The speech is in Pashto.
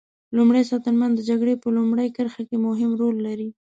لومری ساتنمن د جګړې په لومړۍ کرښه کې مهم رول لري.